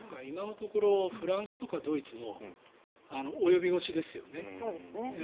今のところフランスとかドイツも及び腰ですよね。